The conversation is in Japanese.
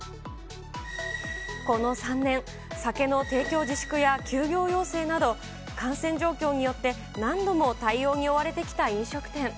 この３年、酒の提供自粛や休業要請など、感染状況によって何度も対応に追われてきた飲食店。